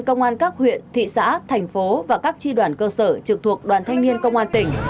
công an các huyện thị xã thành phố và các tri đoàn cơ sở trực thuộc đoàn thanh niên công an tỉnh